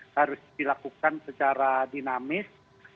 harus dilakukan secara dinamis